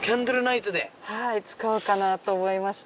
はい使おうかなと思いまして。